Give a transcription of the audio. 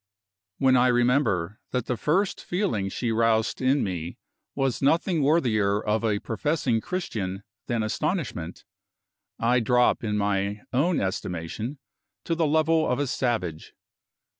When I remember that the first feeling she roused in me was nothing worthier of a professing Christian than astonishment, I drop in my own estimation to the level of a savage.